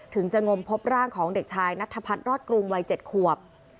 ถึงจะงมพบร่างของเด็กชายนัทพัฒน์รอดกรุงวัย๗ขวบ